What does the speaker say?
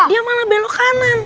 dia malah belok kanan